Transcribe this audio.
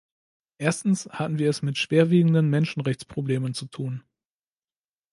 Erstens hatten wir es mit schwer wiegenden Menschenrechtsproblemen zu tun.